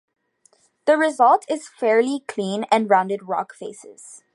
The result is fairly clean and rounded rock faces.